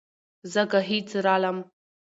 زه ګهيځ رالمه